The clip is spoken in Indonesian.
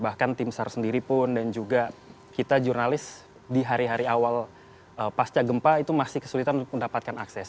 bahkan tim sar sendiri pun dan juga kita jurnalis di hari hari awal pasca gempa itu masih kesulitan untuk mendapatkan akses